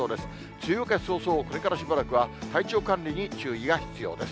梅雨明け早々、これからしばらくは体調管理に注意が必要です。